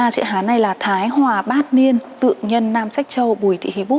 một mươi ba chữ hán này là thái hòa bát niên tự nhân nam sách châu bùi thị hí búc